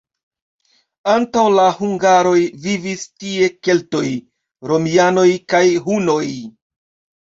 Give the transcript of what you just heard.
Antaŭ la hungaroj vivis tie keltoj, romianoj kaj hunoj.